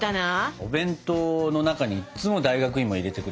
お弁当の中にいっつも大学芋入れてくれてたのよ。